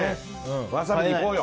ワサビでいこうよ。